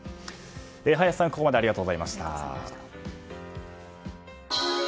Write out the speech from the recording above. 林さん、ここまでありがとうございました。